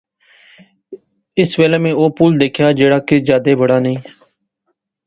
اس ویلے میں او پل دکھیا جیہڑا کی جادے بڑا نئیں